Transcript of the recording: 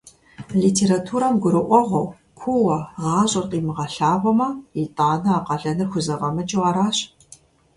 Литературэм гурыӀуэгъуэу куууэ гъащӀэр къимыгъэлъагъуэмэ, итӀанэ а къалэныр хузэфӀэмыкӀыу аращ.